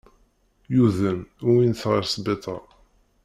Yuḍen, uwin-t ɣer sbiṭer.